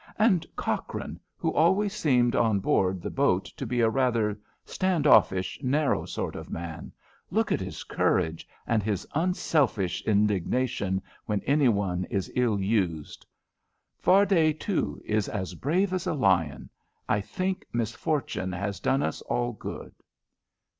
And Cochrane, who always seemed on board the boat to be a rather stand offish, narrow sort of man! Look at his courage, and his unselfish indignation when any one is ill used. Fardet, too, is as brave as a lion. I think misfortune has done us all good."